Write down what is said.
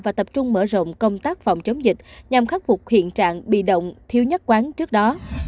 và tập trung mở rộng công tác phòng chống dịch nhằm khắc phục hiện trạng bị động thiếu nhất quán trước đó